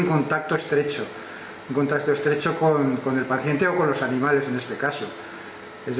kita harus mengalami kondisi yang terlalu tinggi dengan pasien atau dengan binatang